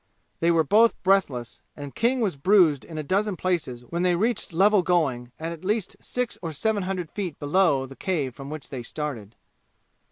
They were both breathless, and King was bruised in a dozen places when they reached level going at least six or seven hundred feet below the cave from which they started.